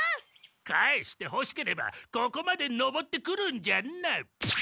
返してほしければここまで登ってくるんじゃな。